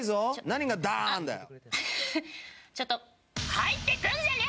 何がダーン！だよ！